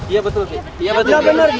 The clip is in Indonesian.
iya betul ki